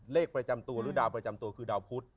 เลขประจำตัวหรือดาวประจำตัวคือดาวพุทธ